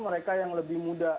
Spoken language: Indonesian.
mereka yang lebih muda